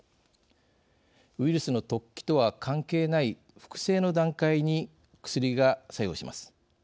ウイルスの突起とは関係ない複製の段階に薬が作用します。